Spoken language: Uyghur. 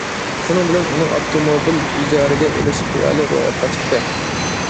شۇنىڭ بىلەن ئۇنىڭ ئاپتوموبىل ئىجارىگە ئېلىش خىيالى روياپقا چىقتى.